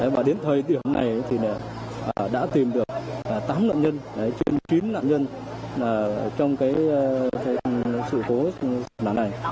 và đến thời điểm này thì đã tìm được tám nạn nhân trên chín nạn nhân trong sự cố nào này